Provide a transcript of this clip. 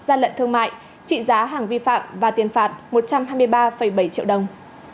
gian lận thương mại trị giá hàng vi phạm và tiền phạt một trăm hai mươi ba bảy triệu đồng